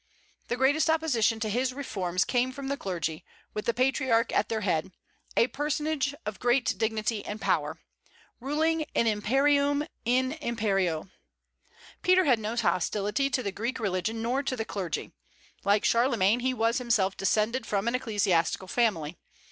The greatest opposition to his reforms came from the clergy, with the Patriarch at their head, a personage of great dignity and power, ruling an imperium in imperio. Peter had no hostility to the Greek religion, nor to the clergy. Like Charlemagne, he was himself descended from an ecclesiastical family.